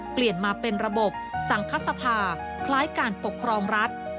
เปลี่ยนมาเป็นระบบสังคสภาคล้ายการปกครองรัฐ